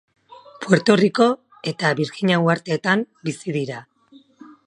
Puerto Rico, eta Birjina Uhartetan bizi dira.